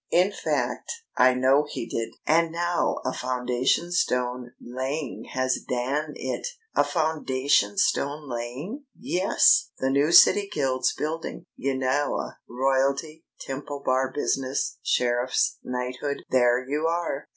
In fact, I know he did. And now a foundation stone laying has dan it!" "A foundation stone laying?" "Yes. The new City Guild's building, you knaow. Royalty Temple Bar business sheriffs knighthood. There you are!"